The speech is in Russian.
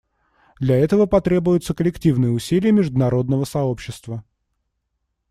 Для этого потребуются коллективные усилия международного сообщества.